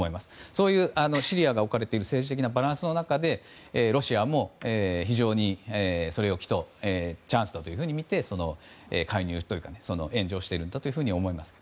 そういうシリアが置かれている政治的なバランスの中でロシアもチャンスだとみて介入というか援助していったということだと思います。